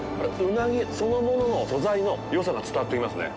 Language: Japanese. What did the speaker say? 鰻そのものの素材のよさが伝わってきますね。